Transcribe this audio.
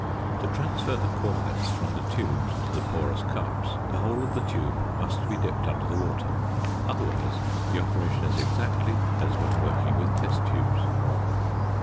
To transfer the cornets from the tubes to the porous cups the whole of the tube must be dipped under the water; otherwise the operation is exactly as when working with test tubes.